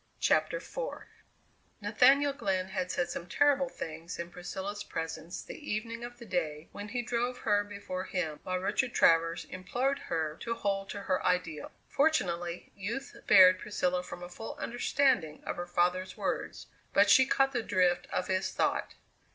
CHAPTER IV Nathaniel Glenn had said some terrible things in Priscilla's presence the evening of the day when he drove her before him while Richard Travers implored her to hold to her ideal. Fortunately, youth spared Priscilla from a full understanding of her father's words, but she caught the drift of his thought.